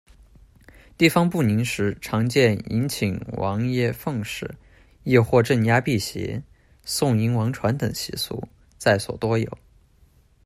地方不宁时常见迎请王爷奉祀，抑或镇压避邪、送迎王船等习俗，在所多有。